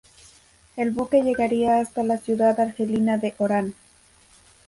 El buque llegaría hasta la ciudad argelina de Orán.